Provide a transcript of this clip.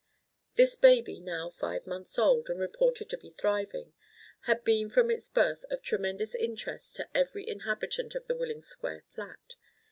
This baby, now five months old and reported to be thriving, had been from its birth of tremendous interest to every inhabitant of the Willing Square flat.